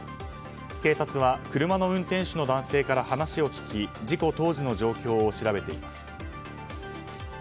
警察は車の運転手の男性から話を聞き事故当時の状況を調べています。